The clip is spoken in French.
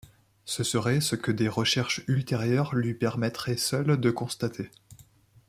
Ce serait ce que des recherches ultérieures lui permettraient seules de constater.